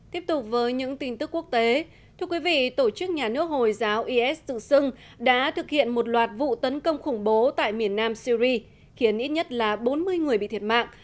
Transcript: tiếp tục với những tin tức quốc tế thưa quý vị tổ chức nhà nước hồi giáo is tự xưng đã thực hiện một loạt vụ tấn công khủng bố tại miền nam syri khiến ít nhất là bốn mươi người bị thiệt mạng